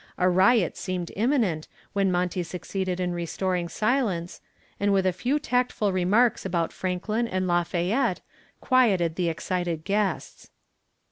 A riot seemed imminent when Monty succeeded in restoring silence, and with a few tactful remarks about Franklin and Lafayette quieted the excited guests.